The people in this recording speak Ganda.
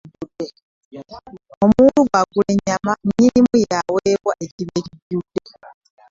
Omuwulu bwagula ennyama nnyinimu yaaweebwa ekibya ekijjudde.